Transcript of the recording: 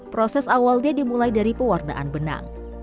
proses awalnya dimulai dari pewarnaan benang